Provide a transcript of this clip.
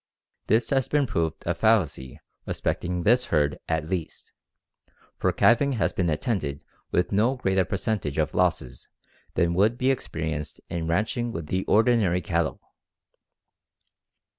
This has been proved a fallacy respecting this herd at least, for calving has been attended with no greater percentage of losses than would be experienced in ranching with the ordinary cattle.